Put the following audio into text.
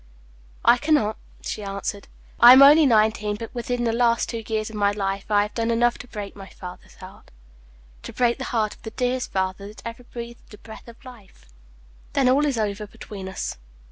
"I can not," she answered. "I am only nineteen, but within the two last years of my life I have done enough to break my father's heart to break the heart of the dearest father that ever breathed the breath of life." "Then all is over between us.